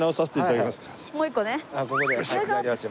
もう一個ね。